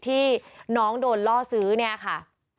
ที่น้องโดนล่อซื้อเนี่ยค่ะ